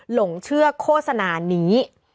หลงเชื่อโฆษณานี้